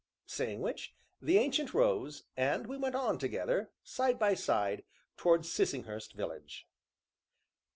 Saying which, the Ancient rose, and we went on together, side by side, towards Sissinghurst village.